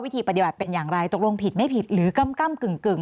ทีปฏิบัติเป็นอย่างไรตกลงผิดไม่ผิดหรือกำกึ่ง